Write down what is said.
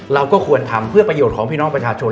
เราก็ควรทำเพื่อประโยชน์ของพี่น้องประชาชน